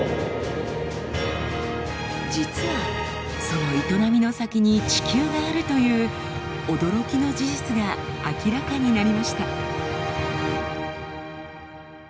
実はその営みの先に地球があるという驚きの事実が明らかになりました。